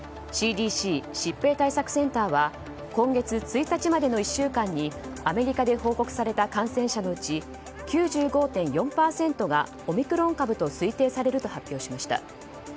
ＣＤＣ・疾病対策センターは今月１日までの１週間にアメリカで報告された感染者のうち９５．４％がオミクロン株と推定されると発表しました。